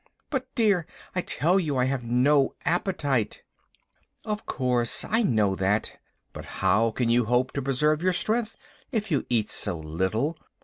"But, dear " "I tell you I have no appetite." "Of course I know that; but how can you hope to preserve your strength if you eat so little?